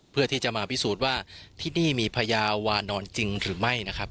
เพื่อที่จะมาพิสูจน์ว่าที่นี่มีพญาวานอนจริงหรือไม่นะครับ